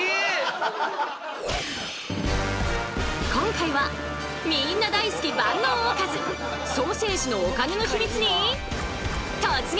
今回はみんな大好き万能おかずソーセージのお金の秘密に突撃！